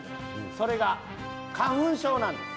それが花粉症なんです。